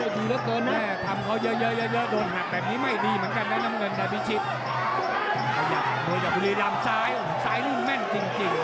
โดยยาบุรีดามซ้ายซ้ายนู่งแม่นจริง